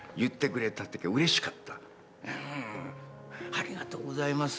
「ありがとうございます。